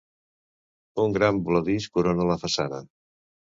Un gran voladís corona la façana.